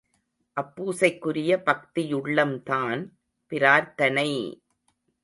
அப்பூசைக்குரிய பக்தியுள்ளம்தான் பிரார்த்தனை!